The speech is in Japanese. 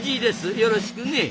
よろしくねえ。